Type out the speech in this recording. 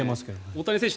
大谷選手